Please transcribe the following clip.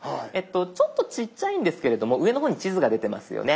ちょっとちっちゃいんですけれども上の方に地図が出てますよね。